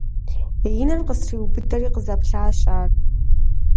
И нэр къыстриубыдэри къызэплъащ ар.